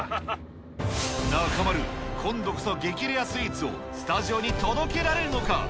中丸、今度こそ激レアスイーツをスタジオに届けられるのか。